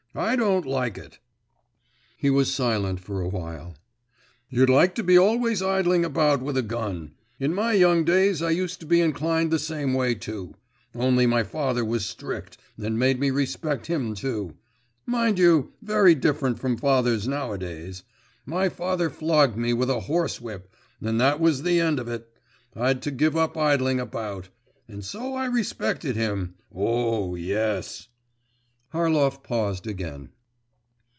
I don't like it.' He was silent for a while. 'You'd like to be always idling about with a gun! In my young days I used to be inclined the same way too. Only my father was strict and made me respect him too. Mind you, very different from fathers nowadays. My father flogged me with a horsewhip, and that was the end of it! I'd to give up idling about! And so I respected him.… Oo!… Yes!…' Harlov paused again.